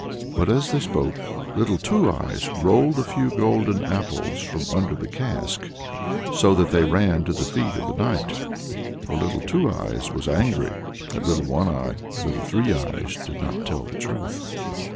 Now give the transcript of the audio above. But as they spoke, Little Two Eyes rolled a few golden apples from under the cask, so that they ran to the feet of the knight; for Little Two Eyes was angry that Little One Eye and Little Three Eyes did not tell the truth.